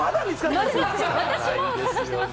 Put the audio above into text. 私も探してます。